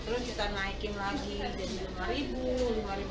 terus kita naikin lagi jadi lima